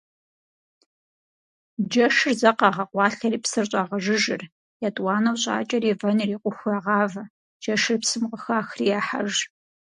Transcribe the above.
Джэшыр зэ къагъэкъуалъэри псыр щӏагъэжыжыр, етӏуанэу щӏакӏэри вэн ирикъуху ягъавэ, джэшыр псым къыхахри яхьэж.